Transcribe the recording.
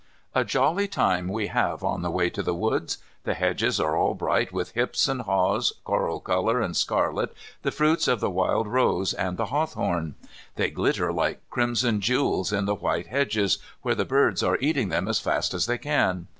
A jolly time we have on the way to the woods. The hedges are all bright with hips and haws, coral colour and scarlet, the fruits of the wild rose and the hawthorn. They glitter like crimson jewels in the white hedges, where the birds are eating them as fast as they can.